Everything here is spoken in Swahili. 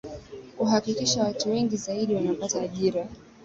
kuhakikisha watu wengi zaidi wanapata ajira